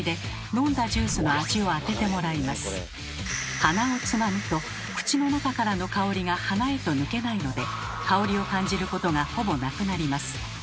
鼻をつまむと口の中からの香りが鼻へと抜けないので香りを感じることがほぼなくなります。